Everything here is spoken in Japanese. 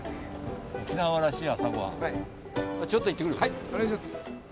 はいお願いします。